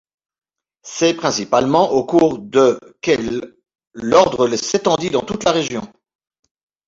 C'est principalement au cours de que l'ordre s'étendit dans toute la région.